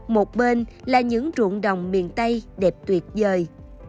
một bên là những ruộng đồng miền tây đẹp tuyệt vời